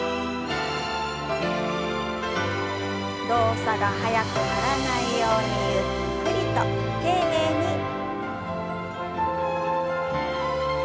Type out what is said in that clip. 動作が速くならないようにゆっくりと丁寧に。